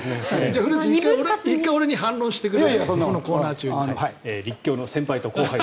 古内、１回俺に反論してくれる？